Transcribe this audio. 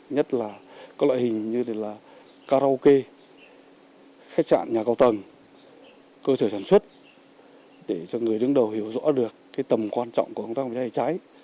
nhất là các loại hình như là karaoke khách sạn nhà cao tầng cơ sở sản xuất để cho người đứng đầu hiểu rõ được tầm quan trọng của công tác phòng cháy cháy